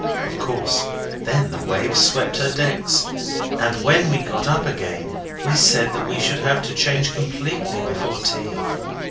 Of course then the waves swept her decks, and when we got up again we said that we should have to change completely before tea.